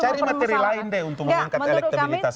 cari materi lain deh untuk mengangkat elektabilitas